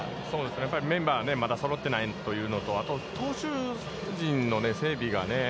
やっぱりメンバー、まだそろってないというのと、あと、投手陣の整備がね。